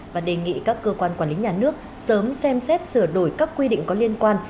và đề nghị các cơ quan quản lý nhà nước sớm xem xét sửa đổi các quy định có liên quan